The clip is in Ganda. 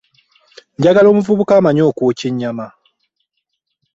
Njagala omuvubuka amanyi okwokya ennyama.